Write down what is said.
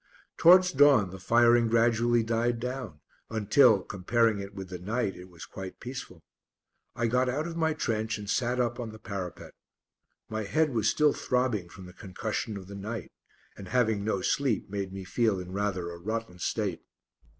Towards dawn the firing gradually died down until, comparing it with the night, it was quite peaceful. I got out of my trench and sat up on the parapet. My head was still throbbing from the concussion of the night, and having no sleep made me feel in rather a rotten state.